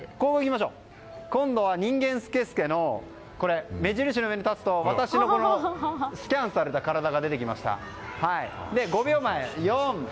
今度は、にんげんスケスケの目印の上に立つと私のスキャンされた体が出てきました。